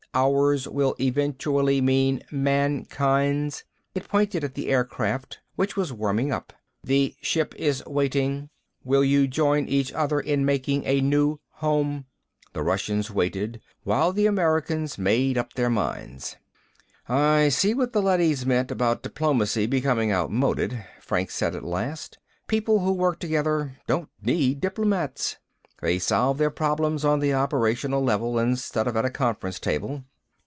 'Ours' will eventually mean mankind's." It pointed at the aircraft, which was warming up. "The ship is waiting. Will you join each other in making a new home?" The Russians waited while the Americans made up their minds. "I see what the leadys mean about diplomacy becoming outmoded," Franks said at last. "People who work together don't need diplomats. They solve their problems on the operational level instead of at a conference table."